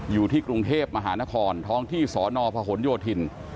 อยู่ที่กรุงเทพมหานครท้องที่สนพหนโยธิน